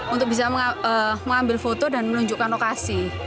untuk bisa mengambil foto dan menunjukkan lokasi